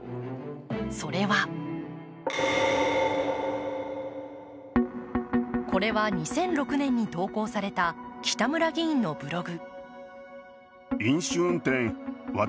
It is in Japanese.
それはこれは２００６年に投稿された北村議員のブログ。